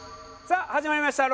さあ始まりました